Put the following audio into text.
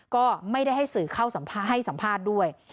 ก็ไม่ได้ให้สื่อเข้าให้สัมภาษณ์ด้วย